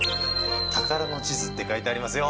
「宝の地図」って書いてありますよ！